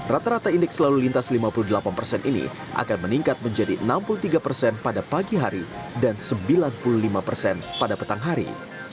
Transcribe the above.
rata rata indeks selalu lintas lima puluh delapan persen ini akan meningkat menjadi enam puluh tiga persen pada pagi hari dan sembilan puluh lima persen pada petang hari